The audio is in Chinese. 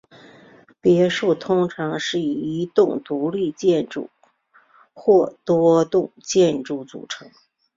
别墅通常是一栋独立建筑或多栋建筑组成。